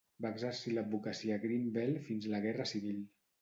Va exercir l'advocacia a Greenville fins la Guerra Civil.